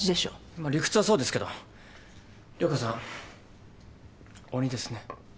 まあ理屈はそうですけど涼子さん鬼ですね。